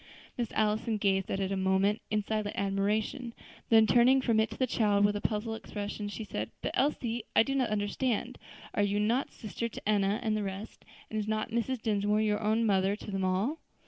Miss Allison gazed at it a moment in silent admiration; then turning from it to the child with a puzzled expression, she said, "But, Elsie, I do not understand; are you not sister to Enna and the rest, and is not Mrs. Dinsmore own mother to them all?"